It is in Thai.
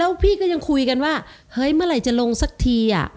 แล้วพี่ก็ยังคุยกันว่าเฮ้ยเมื่อไหร่จะลงสักที